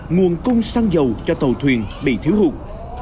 nguồn cung xăng dầu cho tàu thuyền bị thiếu hụt